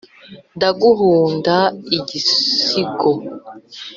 Ndaguhunda igisigo